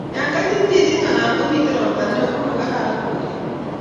yo kaitit mising anan komiten ropta neoo komagararan koret